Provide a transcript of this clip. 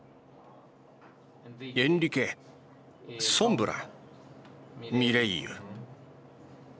エンリケソンブラミレイユ。